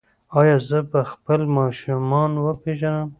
ایا زه به خپل ماشومان وپیژنم؟